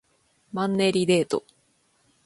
マンネリデート